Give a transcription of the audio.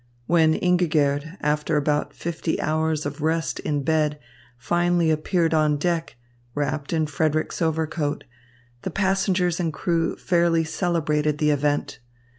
When Ingigerd, after about fifty hours of rest in bed, finally appeared on deck, wrapped in Frederick's overcoat, the passengers and crew fairly celebrated the event.